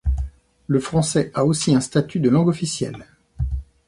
Le français a aussi un statut de langue officielle.